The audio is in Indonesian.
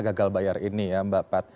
gagal bayar ini ya mbak pat